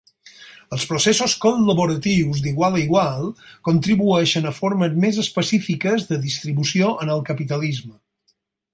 Els processos col·laboratius d'igual a igual contribueixen a formes més específiques de distribució en el capitalisme.